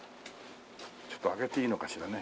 ちょっと開けていいのかしらね？